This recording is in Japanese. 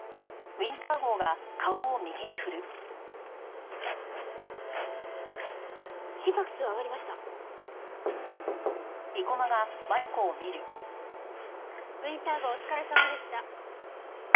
ウィンター号お疲れさまでした。